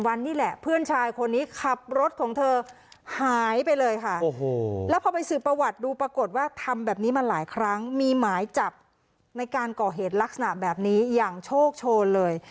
วันนี้แหละเพื่อนชายคนนี้ขับรถของเธอหายไปเลยค่ะโอ้โหแล้วพอไปสืบประวัติดูปรากฏว่าทำแบบนี้มาหลายครั้งมีหมายจับในการก่อเหตุลักษณะแบบนี้อย่างโชคโชนเลย